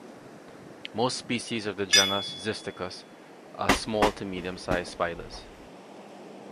Most species of the genus Xysticus are small to medium sized spiders.